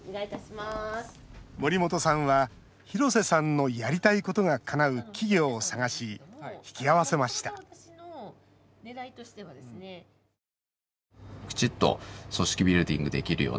森本さんは、廣瀬さんのやりたいことがかなう企業を探し引き合わせましたＣＡＮ。